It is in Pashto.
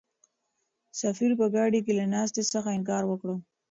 سفیر په ګاډۍ کې له ناستې څخه انکار وکړ.